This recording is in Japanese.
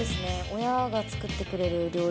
親が作ってくれる料理でした。